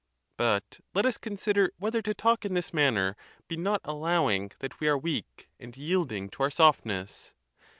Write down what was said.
But let us consider whether to talk in this manner be not allowing that we are weak, and yielding to our softness.